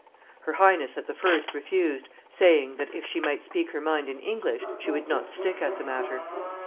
Her highness at the first refused, saying, that if she might speak her mind in English, she would not stick at the matter.